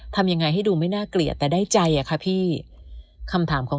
ทำยังไงให้ดูไม่น่าเกลียดแต่ได้ใจอ่ะค่ะพี่คำถามของ